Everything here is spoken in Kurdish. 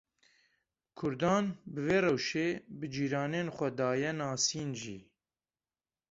Kurdan bi vê rewşê bi cîranên xwe daye nasîn jî.